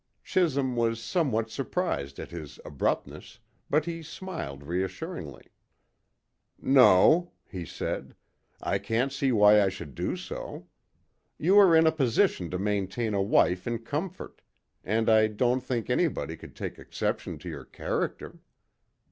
Chisholm was somewhat surprised at his abruptness, but he smiled reassuringly. "No," he said; "I can't see why I should do so. You are in a position to maintain a wife in comfort, and I don't think anybody could take exception to your character."